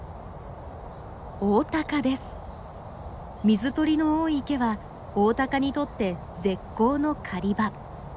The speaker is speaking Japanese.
水鳥の多い池はオオタカにとって絶好の狩り場。